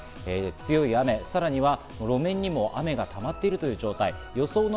強い雨、さらには路面にも雨がたまっているという状態。